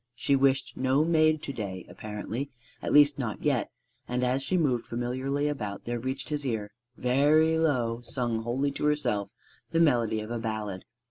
She wished no maid to day, apparently, at least not yet; and as she moved familiarly about there reached his ear very low, sung wholly to herself the melody of a ballad.